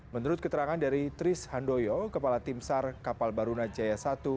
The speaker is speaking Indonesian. menurut keterangan dari tris handoyo kepala tim sar kapal barunajaya i